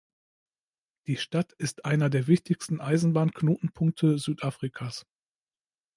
Die Stadt ist einer der wichtigsten Eisenbahnknotenpunkte Südafrikas.